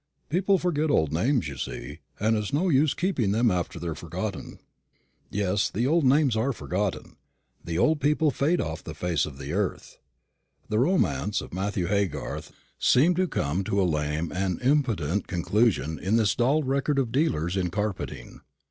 People forget old names, you see, and it's no use keeping to them after they're forgotten." Yes, the old names are forgotten, the old people fade off the face of the earth. The romance of Matthew Haygarth seemed to come to a lame and impotent conclusion in this dull record of dealers in carpeting.